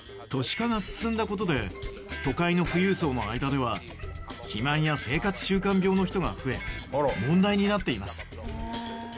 都会の富裕層の間では肥満や生活習慣病の人が増え問題になっています。